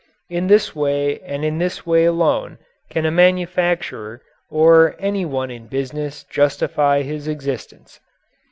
In this way and in this way alone can a manufacturer or any one in business justify his existence.